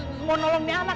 aja mau nolong nyaman